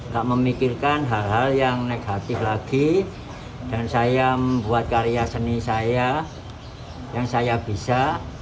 tak memikirkan hal hal yang negatif lagi dan saya membuat karya seni saya yang saya bisa